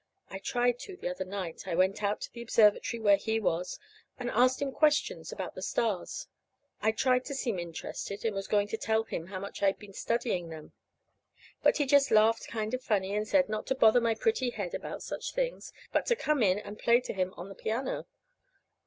I tried to the other night. I went out to the observatory where he was, and asked him questions about the stars. I tried to seem interested, and was going to tell him how I'd been studying about them, but he just laughed kind of funny, and said not to bother my pretty head about such things, but to come in and play to him on the piano.